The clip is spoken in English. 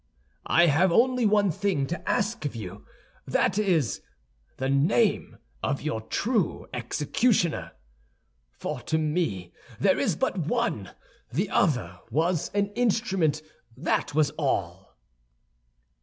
I have only one thing to ask of you; that is, the name of your true executioner. For to me there is but one; the other was an instrument, that was all."